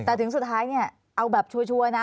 แต่ถึงสุดท้ายเนี่ยเอาแบบชัวร์นะ